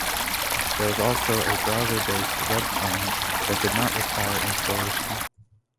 There was also a browser-based "web client" that did not require installation.